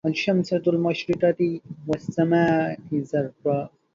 الشمس مشرقة والسماء زرقاء.